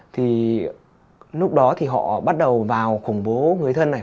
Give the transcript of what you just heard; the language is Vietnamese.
thì lúc đó thì họ bắt đầu vào khủng bố người thân này